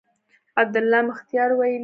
عبدالله مختیار ویلي